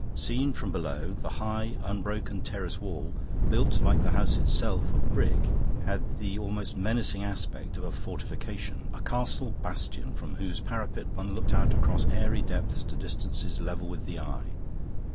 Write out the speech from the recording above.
Seen from below, the high unbroken terrace wall, built like the house itself of brick, had the almost menacing aspect of a fortification a castle bastion, from whose parapet one looked out across airy depths to distances level with the eye.